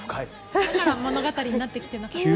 だから物語になってきてなかったのか。